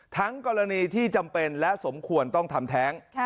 กรณีที่จำเป็นและสมควรต้องทำแท้ง